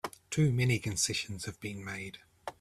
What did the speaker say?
Too many concessions have been made!